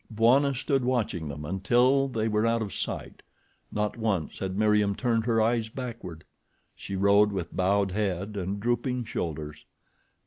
Bwana stood watching them until they were out of sight. Not once had Meriem turned her eyes backward. She rode with bowed head and drooping shoulders.